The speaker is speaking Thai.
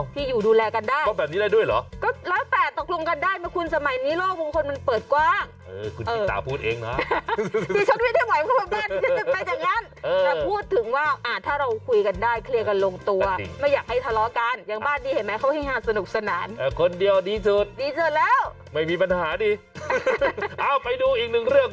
ที่อยู่ดูแลกันได้แบบนี้ได้ด้วยหรือ